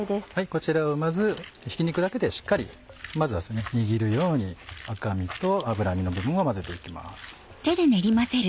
こちらをまずひき肉だけでしっかり握るように赤身と脂身の部分を混ぜて行きます。